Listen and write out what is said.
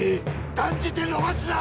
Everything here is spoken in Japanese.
断じて逃すな！